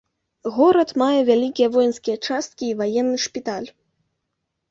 Горад мае вялікія воінскія часткі і ваенны шпіталь.